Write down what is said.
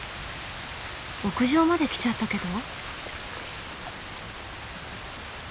屋上まで来ちゃったけど。